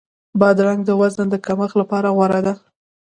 بادرنګ د وزن د کمښت لپاره غوره دی.